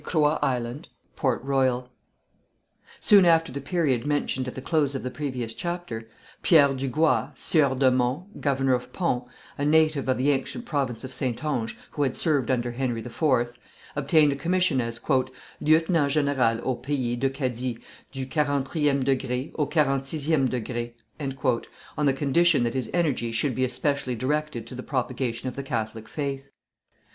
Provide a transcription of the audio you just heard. CROIX ISLAND PORT ROYAL Soon after the period mentioned at the close of the previous chapter, Pierre du Gua, Sieur de Monts, Governor of Pont, a native of the ancient province of Saintonge, who had served under Henry IV, obtained a commission as "Lieutenant genéral au pays de Cadie, du 40° au 46°," on the condition that his energies should be especially directed to the propagation of the Catholic faith.